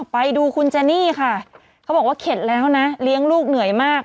ไปดูคุณเจนี่ค่ะเขาบอกว่าเข็ดแล้วนะเลี้ยงลูกเหนื่อยมาก